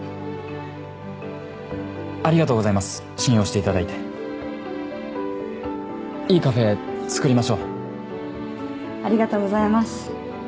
ありがとうございます信用していただいていいカフェ作りましょうありがとうございます